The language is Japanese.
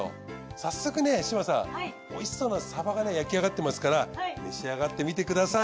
早速ね志真さんおいしそうなサバが焼き上がってますから召し上がってみてください。